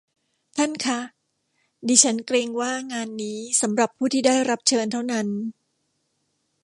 ท่านคะ ดิฉันเกรงว่างานนี้สำหรับผู้ที่ได้รับเชิญเท่านั้น